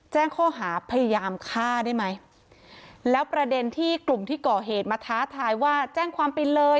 แจ้งข้อหาพยายามฆ่าได้ไหมแล้วประเด็นที่กลุ่มที่ก่อเหตุมาท้าทายว่าแจ้งความไปเลย